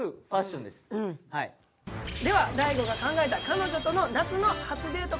では大吾が考えた彼女との夏の初デート